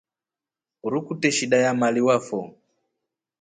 Uruu kute shida ya maliwa fo.